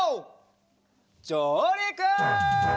じょうりく！